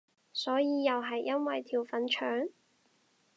所以又係因為條粉腸？